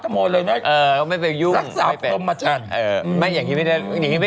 จริงใช้ได้ก็ไม่เป็นไร